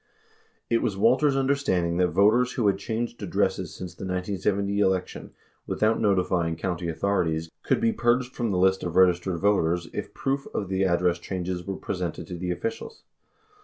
It was Walters' understanding that voters who had changed addresses since the 1970 election without notifying county authorities could be purged from the list of registered voters if proof of the address changes were presented to the officials.